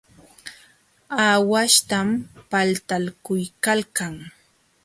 Aawaśhtam paltaykuykalkan.